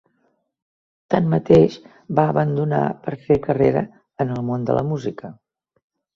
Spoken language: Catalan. Tanmateix, va abandonar per fer carrera en el món de la música.